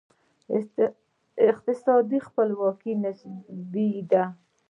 اقتصادي خپلواکي نسبي ده.